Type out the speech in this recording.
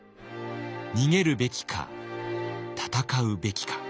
逃げるべきか戦うべきか。